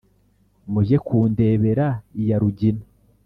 mujye kundebera iya rugina